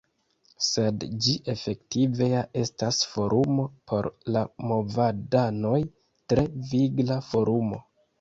Sed ĝi efektive ja estas forumo por la movadanoj; tre vigla forumo.